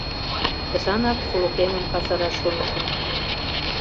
— Тышанак сулыкемым касараш шонышым...